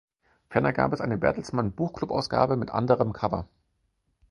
Ferner gab es eine Bertelsmann-Buchclubausgabe mit anderem Cover.